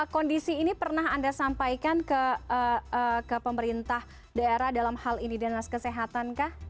kondisi ini pernah anda sampaikan ke pemerintah daerah dalam hal ini dan nas kesehatankah